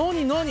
何？